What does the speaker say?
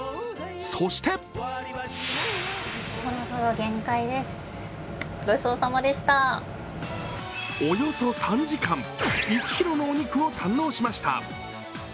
そしておよそ３時間、１ｋｇのお肉を堪能しました。